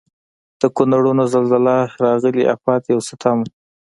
د کونړونو زلزله راغلي افت یو ستم و.